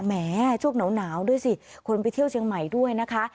แหมช่วงหนาวด้วยสิคนไปเที่ยวเชียงใหม่ด้วยนะคะ